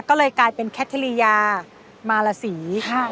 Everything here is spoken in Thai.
ก็เลยกลายเป็นแคทริยามารสี